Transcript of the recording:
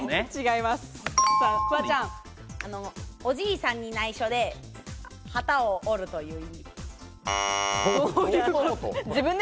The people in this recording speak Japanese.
おじいさんに内緒で旗を折るという意味。